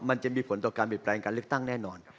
มันจะมีผลต่อการเปลี่ยนแปลงการเลือกตั้งแน่นอน